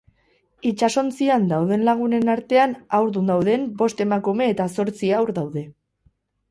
Itsasontzian dauden lagunen artean haurdun dauden bost emakume eta zortzi haur daude.